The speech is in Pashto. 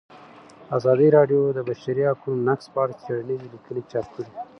ازادي راډیو د د بشري حقونو نقض په اړه څېړنیزې لیکنې چاپ کړي.